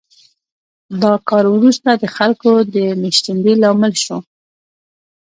دا کار وروسته د خلکو د مېشتېدنې لامل شو